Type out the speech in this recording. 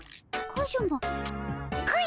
カズマ！